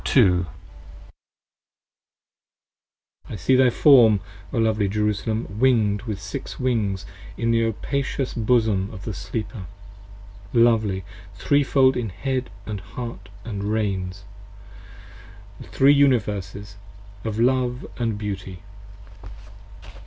p. 86 I SEE thy Form, O lovely mild Jerusalem, Wing'd with Six Wings In the opacous Bosom of the Sleeper, lovely Three fold In Head & Heart & Reins, three Universes of love & beauty.